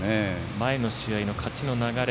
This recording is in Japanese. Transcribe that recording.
前の試合の勝ちの流れ